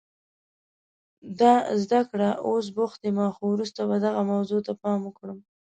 ده زیاته کړه، اوس بوخت یم، خو وروسته به دغې موضوع ته پام وکړم.